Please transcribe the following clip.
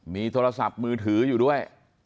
มีโทรศัพท์มือถืออยู่ด้วย